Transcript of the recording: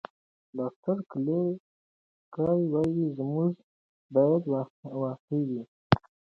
ډاکټره کلیر کای وايي، ژمنې باید واقعي وي.